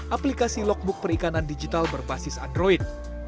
aplikasi logbook perikanan digital berbasis android